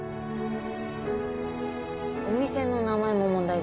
お店の名前も問題です。